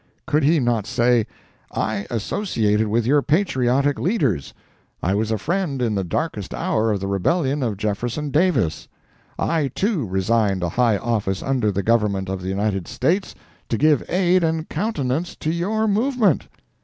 Could he not say, "I associated with your patriotic leaders; I was a friend in the darkest hour of the rebellion of Jefferson Davis; I, too, resigned a high office under the Government of the United States to give aid and countenance to your movement?"